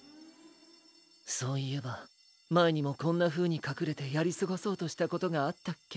そういえばまえにもこんなふうにかくれてやりすごそうとしたことがあったっけ。